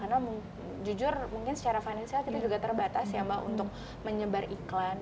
karena jujur mungkin secara finansial kita juga terbatas ya mbak untuk menyebar iklan